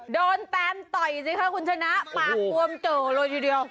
โดนแปมต่อยสิคะคุณธนาปากบวมเจอะเลยอยู่เดียว